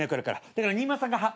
だから新村さんが。